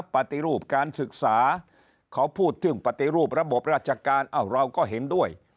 ปฏิรูปการศึกษาเขาพูดถึงปฏิรูประบบราชการเราก็เห็นด้วย